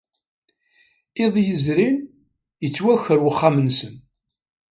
Iḍ yezrin, yettwaker wexxam-nsen.